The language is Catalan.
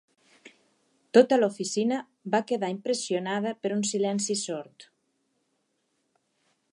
Tota l'oficina va quedar impressionada per un silenci sord.